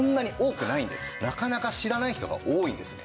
なかなか知らない人が多いんですね。